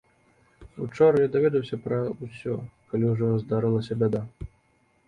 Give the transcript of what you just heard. Учора я даведаўся пра ўсё, калі ўжо здарылася бяда.